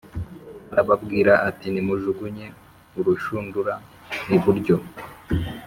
Arababwira ati nimujugunye urushundura iburyo